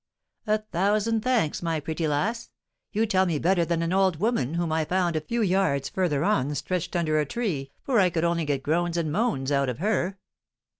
"A thousand thanks, my pretty lass! You tell me better than an old woman, whom I found a few yards further on stretched under a tree, for I could only get groans and moans out of her."